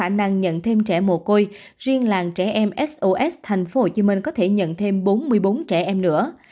với khả năng nhận thêm trẻ mồ côi riêng làng trẻ em sos thành phố hồ chí minh có thể nhận thêm bốn mươi bốn trẻ em nữa